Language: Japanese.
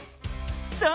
そう。